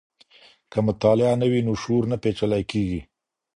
که مطالعه نه وي نو شعور نه پېچلی کیږي.